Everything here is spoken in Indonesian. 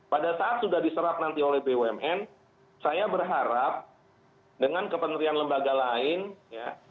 pada saat sudah diserap nanti oleh bumn saya berharap dengan kepenerian lembaga lain ya